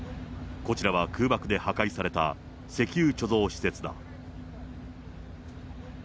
こちらは空爆で破壊された石油貯蔵施設だ。